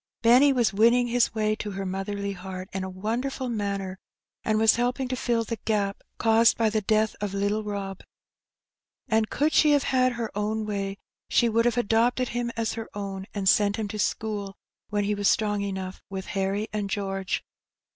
Benny was win ning his way to her motherly heart in a wonderful manner, and was helping to fill the gap caused by the death of httle Rob. And could she have had her own way, she would have adopted him as her own, and sent him to school when he was strong enough, with Harry and George.